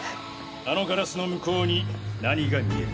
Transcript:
あのガラスの向こうに何が見える？